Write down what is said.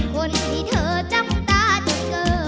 คนที่เธอจ้องตาเจ็ดเกลอ